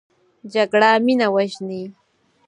جګړه مینه وژني